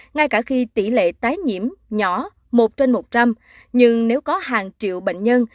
ngay cả khi tỷ lệ tái nhiễm nhỏ một trên một trăm linh nhưng nếu có hàng triệu bệnh nhân